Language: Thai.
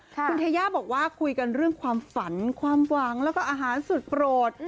คุณเทย่าบอกว่าคุยกันเรื่องความฝันความหวังแล้วก็อาหารสุดโปรด